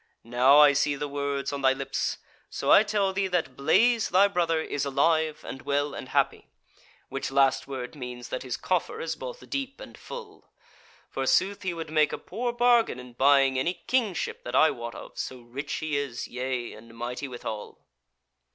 Now I see the words on thy lips; so I tell thee that Blaise thy brother is alive and well and happy; which last word means that his coffer is both deep and full. Forsooth, he would make a poor bargain in buying any kingship that I wot of, so rich he is, yea, and mighty withal."